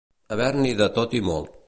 Haver-n'hi de tot i molt.